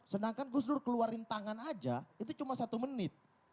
sedangkan gus dur keluarin tangan aja itu cuma satu menit